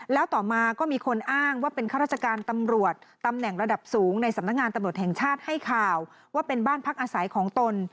แล้วต่อมาก็มีคนอ้างว่าเป็นข้าราชการตำรวจตำแหน่งระดับสูงในสำนักงานตำรวจแห่งชาติให้ข่าวว่าเป็นบ้านพักอาศัยของตน